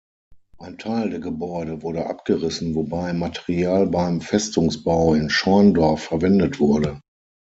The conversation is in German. Ein Teil der Gebäude wurde abgerissen, wobei Material beim Festungsbau in Schorndorf verwendet wurde.